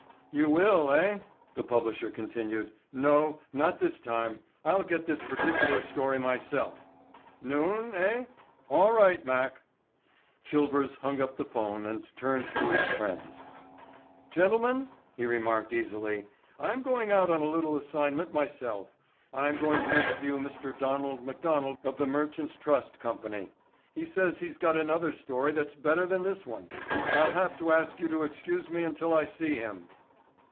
"You will, eh," the publisher continued. "No—not this time. I'll get this particular story myself—noon, eh?—all right, Mac." Chilvers hung up the phone and turned to his friends. "Gentlemen," he remarked easily. "I'm going out on a little assignment myself. I'm going to interview Mr. Donald McDonald of the Merchants Trust Company. He says he's got another story that's better than this one. I'll have to ask you to excuse me until I see him."